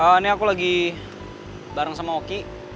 ini aku lagi bareng sama oki